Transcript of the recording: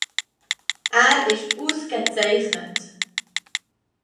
Er ist ausgezeichnet.